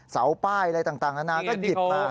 เสาป้ายอะไรต่างนานาก็หยิบมา